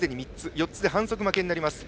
４つで反則負けになります。